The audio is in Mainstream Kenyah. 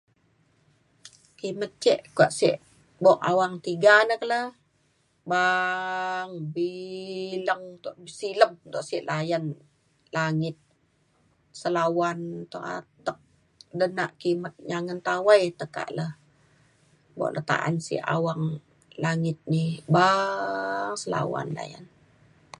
kimet ce kuak sek buk awang tiga ne ke le beng bileng tuak silem duk sik layan langit salau awan tau atek atek denak kimet nyangen tawai tekak le buk le ta’an sek awang langit ni bang selawang layan.